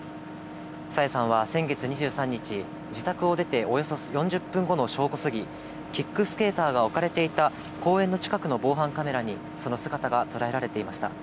朝芽さんは先月２３日、自宅を出ておよそ４０分後の正午過ぎ、キックスケーターが置かれていた公園の近くの防犯カメラにその姿が捉えられていました。